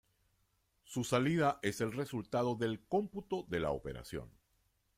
Su salida es el resultado del cómputo de la operación.